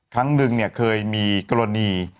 ครั้งหนึ่งเนี่ยเคยมีกรณี